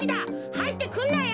はいってくんなよ！